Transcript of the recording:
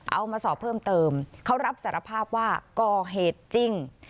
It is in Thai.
เอามาสอบเพิ่มเติมเขารับสารภาพว่าก่อเหตุจริง